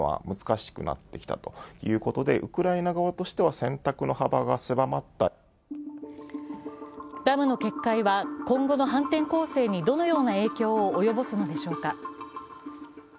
反転攻勢について、専門家はダムの決壊は今後の反転攻勢にどのような影響を及ぼすのでしょうか。